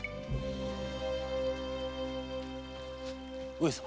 上様。